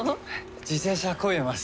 自転車こいでます。